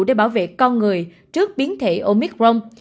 để bảo vệ con người trước biến thể omicron